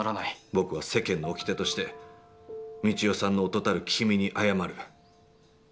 「僕は世間の掟として、三千代さんの夫たる君にあやまる。